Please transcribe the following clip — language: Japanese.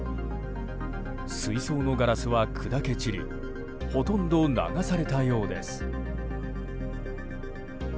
水槽のガラスは砕け散りほとんど流されたようです。